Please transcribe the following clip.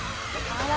あら。